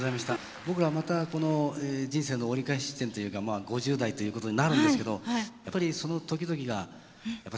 僕らまたこの人生の折り返し地点というかまあ５０代ということになるんですけどやっぱりその時々がやっぱり青春というか。